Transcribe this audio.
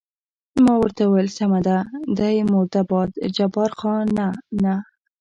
ما ورته وویل: سمه ده، دی مرده باد، جبار خان: نه، نه.